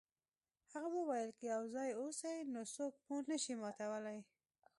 هغه وویل که یو ځای اوسئ نو څوک مو نشي ماتولی.